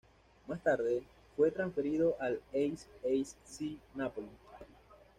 Más tarde, fue transferido al S. S. C. Napoli.